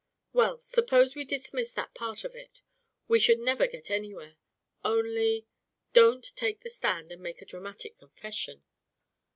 "Well, suppose we dismiss that part of it. We should never get anywhere. Only don't take the stand and make a dramatic confession."